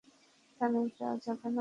থানায় যাওয়া যাবে না।